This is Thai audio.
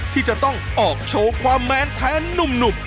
ที่จะต้องออกโชว์ความแมนแทนหนุ่ม